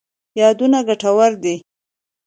یادونه ګټور دي.